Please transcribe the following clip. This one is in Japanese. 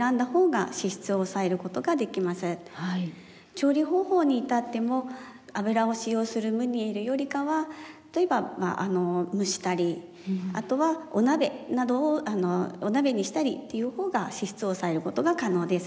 調理方法にいたっても油を使用するムニエルよりかは例えば蒸したりあとはお鍋などをお鍋にしたりっていうほうが脂質を抑えることが可能です。